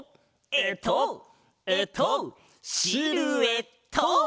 えっとえっとシルエット！